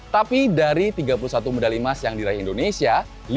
tapi dari tiga puluh satu medali emas yang diraih indonesia